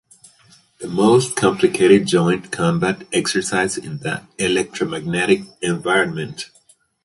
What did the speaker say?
The most complicated joint combat exercise in the electromagnetic environment.